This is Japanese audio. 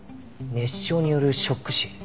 熱傷によるショック死。